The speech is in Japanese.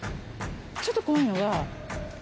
ちょっとこういうのが。